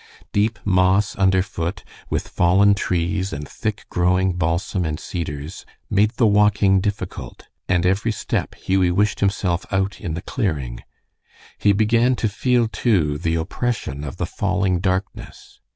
Deep moss under foot, with fallen trees and thick growing balsam and cedars, made the walking difficult, and every step Hughie wished himself out in the clearing. He began to feel, too, the oppression of the falling darkness.